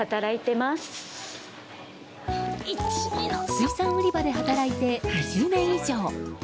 水産売り場で働いて２０年以上。